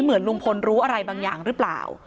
เหมือนลุงพลรู้อะไรบางอย่างหรือเปล่า